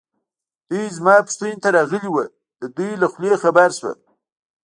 دوی زما پوښتنې ته راغلي وو، د دوی له خولې خبر شوم.